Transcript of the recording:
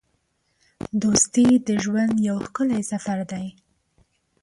دوستي د ژوند یو ښکلی سفر دی.